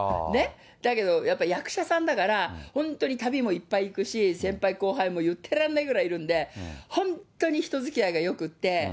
だけど、やっぱり役者さんだから、本当に旅もいっぱい行くし、先輩後輩も言ってらんないぐらいいるんで、本当に人づきあいがよくって。